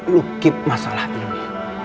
lo keep masalah ini